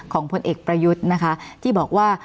ผลเอกประยุทธ์นะคะที่บอกว่า